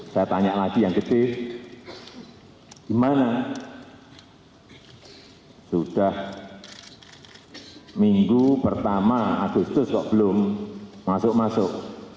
saya tanya lagi yang ketiga gimana sudah minggu pertama agustus kok belum masuk masuk